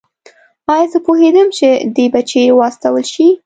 ایا زه پوهېدم چې دی به چېرې واستول شي؟